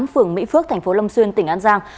phường mỹ phước tp lâm xuyên tỉnh an giang